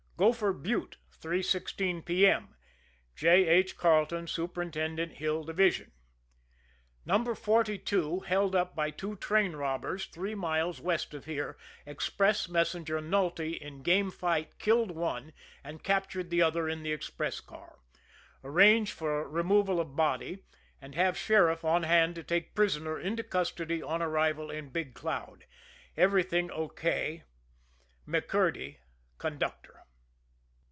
Gopher Butte, 3.16 P. M. J. H. CARLETON, Supt. Hill Division: No. 42 held up by two train robbers three miles west of here Express messenger Nulty in game fight killed one and captured the other in the express car. Arrange for removal of body, and have sheriff on hand to take prisoner into custody on arrival in Big Cloud. Everything O.K. McCURDY, Conductor.